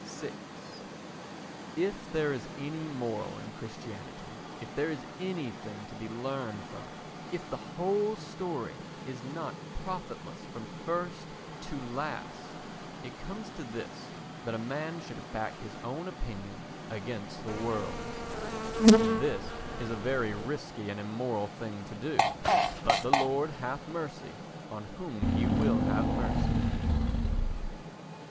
vi If there is any moral in Christianity, if there is anything to be learned from it, if the whole story is not profitless from first to last, it comes to this that a man should back his own opinion against the world's—and this is a very risky and immoral thing to do, but the Lord hath mercy on whom he will have mercy.